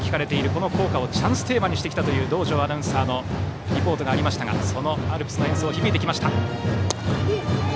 この校歌をチャンステーマにしてきたという道上アナウンサーのリポートがありましたがアルプスの演奏が響いてきました。